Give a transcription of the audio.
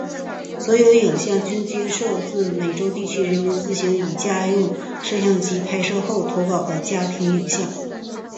所有影像均接收自美洲地区的人民自行以家用摄影机拍摄后投稿的家庭影像。